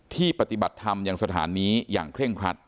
ปฏิบัติธรรมอย่างสถานีอย่างเคร่งครัด